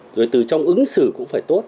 rồi từ trong ứng xử cũng phải tốt